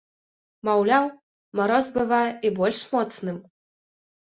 Маўляў, мароз бывае і больш моцным.